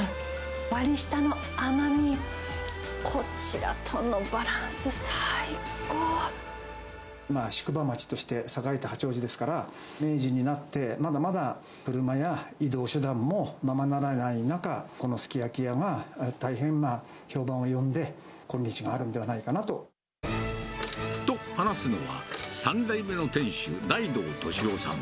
割り下の甘み、こちらとのバラン宿場町として栄えた八王子ですから、明治になって、まだまだ車や移動手段もままならない中、このすき焼き屋が大変評判を呼んで、今日があるんではないかなと。と、話すのは、３代目の店主、大洞敏男さん。